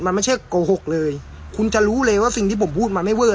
มันไม่ใช่โกหกเลยคุณจะรู้เลยว่าสิ่งที่ผมพูดมาไม่เวอร์